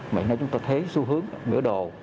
hiện nay chúng tôi thấy xu hướng mỉa đồ